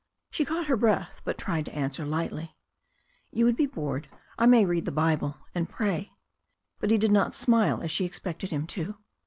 She caught her breath, but tried to answer lightly. "You would be bored. I may read the Bible and pray.*' But he did not smile, as she expected him to.